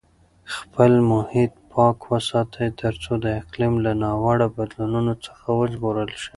خپل محیط پاک وساتئ ترڅو د اقلیم له ناوړه بدلونونو څخه وژغورل شئ.